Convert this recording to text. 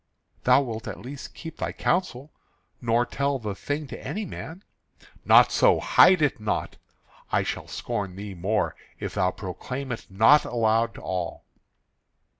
"Thou wilt at least keep thy counsel, nor tell the thing to any man." "Not so: hide it not. I shall scorn thee more if thou proclaim it not aloud to all."